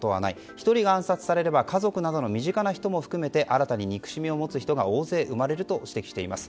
１人が暗殺されれば家族などの身近な人を含めて新たに憎しみを持つ人が大勢生まれると指摘しています。